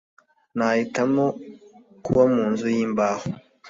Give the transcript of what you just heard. nahitamo kuba mu nzu yimbaho